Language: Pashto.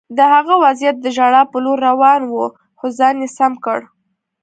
د هغه وضعیت د ژړا په لور روان و خو ځان یې سم کړ